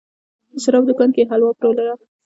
د شرابو دوکان کې یې حلوا پلورله.